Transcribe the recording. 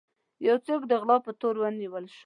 يو څوک د غلا په تور ونيول شو.